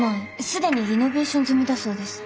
既にリノベーション済みだそうです。